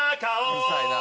うるさいな。